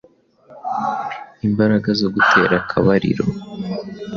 imbaraga zo gutera akabariro.